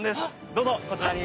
どうぞこちらに。